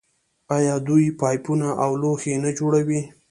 آیا دوی پایپونه او لوښي نه جوړوي؟